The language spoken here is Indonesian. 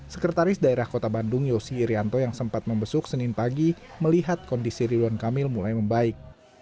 sekretaris daerah kota bandung yosi irianto yang sempat membesuk senin pagi melihat kondisi ridwan kamil mulai membaik